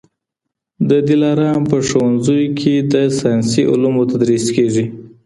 د دلارام په ښوونځیو کي د ساینسي علومو تدریس کېږي.